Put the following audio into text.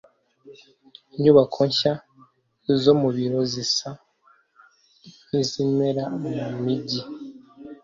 inyubako nshya zo mu biro zisa nkizimera mu mujyi